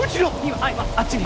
今あっちに。